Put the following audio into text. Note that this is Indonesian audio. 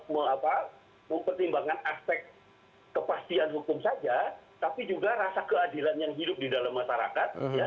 mempertimbangkan aspek kepastian hukum saja tapi juga rasa keadilan yang hidup di dalam masyarakat